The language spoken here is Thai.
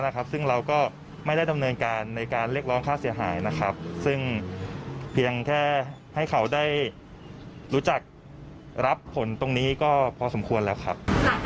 เรื่องมีการติดต่อที่จะแสดงภรรยาผู้ชนเข้าไปขอโทษอะไรแบบนั้น